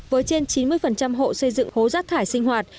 với trên chín mươi hộ xây dựng hố rác thải sinh hoạt